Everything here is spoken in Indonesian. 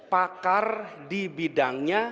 pakar di bidang